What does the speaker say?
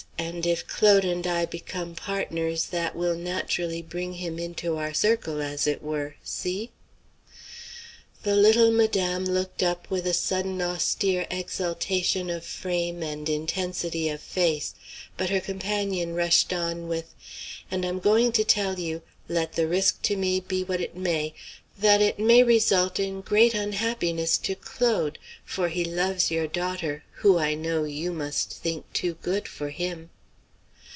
And if Claude and I become partners that will naturally bring him into our circle, as it were; see?" The little madame looked up with a sudden austere exaltation of frame and intensity of face, but her companion rushed on with "And I'm going to tell you, let the risk to me be what it may, that it may result in great unhappiness to Claude; for he loves your daughter, who, I know, you must think too good for him!"